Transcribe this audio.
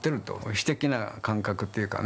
詩的な感覚っていうかね